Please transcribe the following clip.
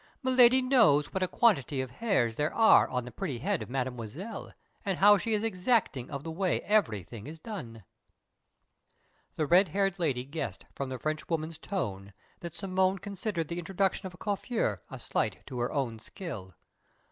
Miladi knows what a quantity of the hairs there are on the pretty head of Mademoiselle, and how she is exacting of the way everything is done!" The red haired lady guessed from the Frenchwoman's tone that Simone considered the introduction of a coiffeur a slight to her own skill.